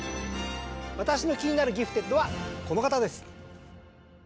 私の気になるギフテッドはこの方です。